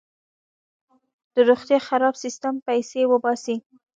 د روغتیا خراب سیستم پیسې وباسي.